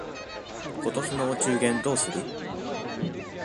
今年のお中元どうする？